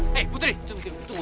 hei putri tunggu tunggu